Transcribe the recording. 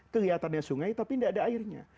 kelihatannya sungai tapi tidak ada airnya